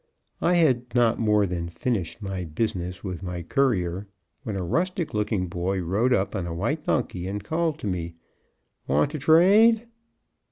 I had not more than finished my business with my courier, when a rustic looking boy rode up on a white donkey, and called to me, "Want ter trade?"